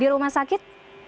di rumah sakit